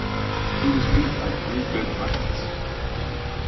He was beat by three good lengths.